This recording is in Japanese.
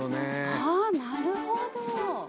あなるほど！